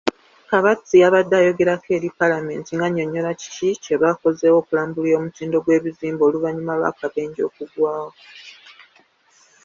Kabatsi yabadde ayogerako eri Palamenti ng'annyonnyola kiki kyebakozeewo okulambula omutindo gw'ebizimbe oluvanyuma lw'akabenje akaagwawo.